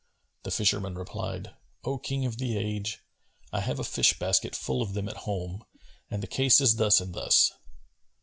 The fisherman replied, "O King of the age, I have a fish basket full of them at home and the case is thus and thus."